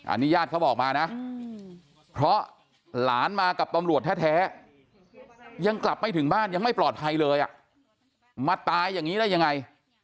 อันนี้ญาติเขาบอกมานะเพราะหลานมากับตำรวจแท้ยังกลับไม่ถึงบ้านยังไม่ปลอดภัยเลยมาตายอย่างนี้ได้ยังไง